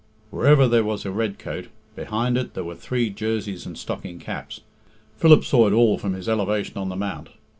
Wherever there was a red coat, behind it there were three jerseys and stocking caps, Philip saw it all from his elevation on the mount.